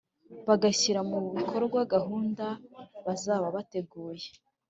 bagashyira mu bikorwa gahunda bazaba bateguye.